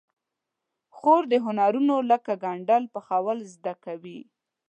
خور د هنرونو لکه ګنډل، پخول زده کوي.